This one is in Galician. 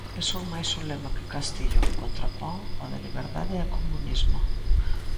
Pesou máis o lema que Castillo contrapón ao de liberdade e comunismo.